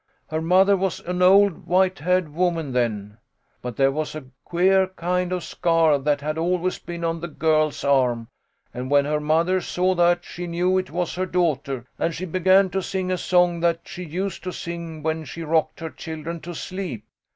Her mother was an old white haired woman then. But there was a queer kind of scar that had always been on the girl's arm, and when her mother saw that she knew it was her daughter, and she began to sing a song that she used to sing when she rocked her children to sleep.